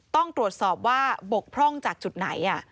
ต้องตรวจสอบว่าบกพร่องจากจุดไหน